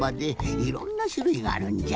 いろんなしゅるいがあるんじゃ。